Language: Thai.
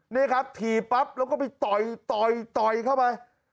นี่ครับถี่ปั๊บแล้วก็ไปต่อยต่อยเข้าไป